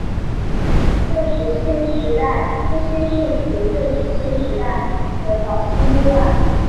旧石器时代初期是处于旧石器时代的早期阶段。